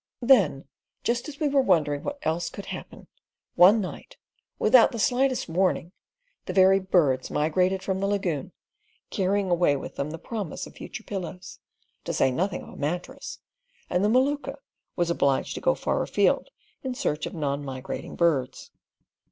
Then just as we were wondering what else could happen, one night, without the slightest warning, the very birds migrated from the lagoon, carrying away with them the promise of future pillows, to say nothing of a mattress, and the Maluka was obliged to go far afield in search of non migrating birds.